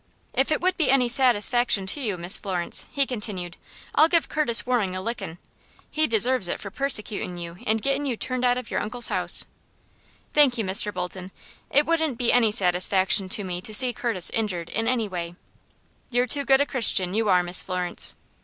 "If it would be any satisfaction to you, Miss Florence," he continued, "I'll give Curtis Waring a lickin'. He deserves it for persecutin' you and gettin' you turned out of your uncle's house." "Thank you, Mr. Bolton; it wouldn't be any satisfaction to me to see Curtis injured in any way." "You're too good a Christian, you are, Miss Florence."